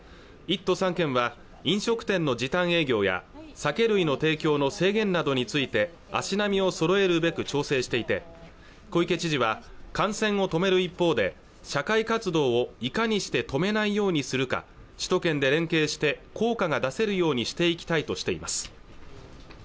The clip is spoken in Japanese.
１都３県は飲食店の時短営業や酒類の提供の制限などについて足並みを揃えるべく調整していて小池知事は感染を止める一方で社会活動をいかにして止めないようにするか首都圏で連携して効果が出せるようにしていきたいとしています